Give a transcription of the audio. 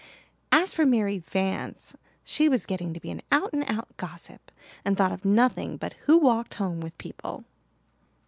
As for Mary Vance, she was getting to be an out and out gossip and thought of nothing but who walked home with people!